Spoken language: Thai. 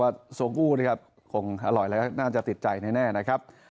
โซกู้นะครับคงอร่อยแล้วก็น่าจะติดใจแน่นะครับ